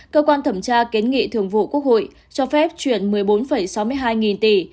cơ quan thẩm tra kiến nghị thường vụ quốc hội cho phép chuyển một mươi bốn sáu mươi hai nghìn tỷ